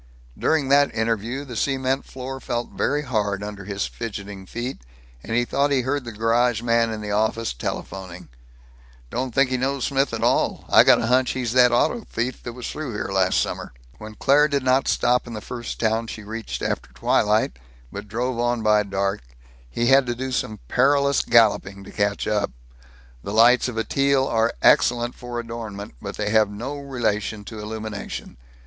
During that interview the cement floor felt very hard under his fidgeting feet, and he thought he heard the garage man in the office telephoning, "Don't think he knows Smith at all. I got a hunch he's that auto thief that was through here last summer." When Claire did not stop in the first town she reached after twilight, but drove on by dark, he had to do some perilous galloping to catch up. The lights of a Teal are excellent for adornment, but they have no relation to illumination.